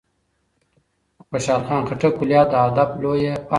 د خوشال خان خټک کلیات د ادب لویه پانګه ده.